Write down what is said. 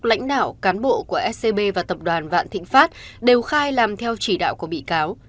lãnh đạo cán bộ của scb và tập đoàn vạn thịnh pháp đều khai làm theo chỉ đạo của bị cáo